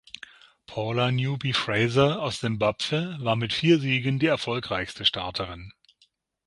Paula Newby-Fraser aus Simbabwe war mit vier Siegen die erfolgreichste Starterin.